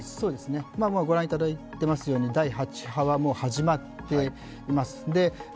ご覧いただいていますように第８波は始まっています。